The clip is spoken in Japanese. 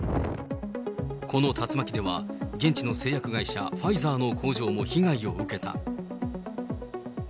この竜巻では、現地の製薬会社、ファイザーの工場も被害を受けた。